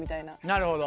なるほど。